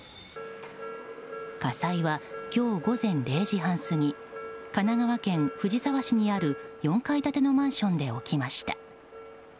火災は今日午前０時半過ぎ神奈川県藤沢市にある４階建てのマンションで起きました。